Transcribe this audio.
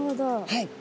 はい。